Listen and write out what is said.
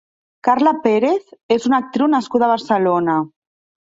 Carla Pérez és una actriu nascuda a Barcelona.